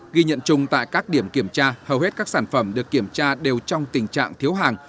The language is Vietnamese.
ghi nhận chung tại các điểm kiểm tra hầu hết các sản phẩm được kiểm tra đều trong tình trạng thiếu hàng